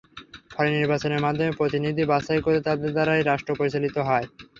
ফলে নির্বাচনের মাধ্যমে প্রতিনিধি বাছাই করে তাঁদের দ্বারাই রাষ্ট্র পরিচালিত হয়।